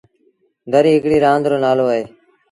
دريٚ هڪڙيٚ رآند رو نآلو اهي۔